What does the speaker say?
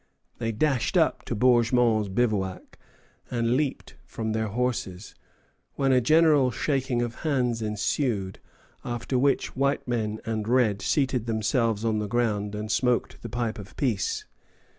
They dashed up to Bourgmont's bivouac and leaped from their horses, when a general shaking of hands ensued, after which white men and red seated themselves on the ground and smoked the pipe of peace.